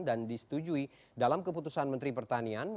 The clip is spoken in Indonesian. dan disetujui dalam keputusan menteri pertanian